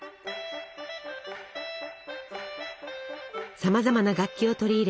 さまざまな楽器を取り入れ